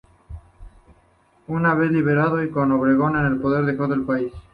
Una vez liberado y con Obregón en el poder dejó el país.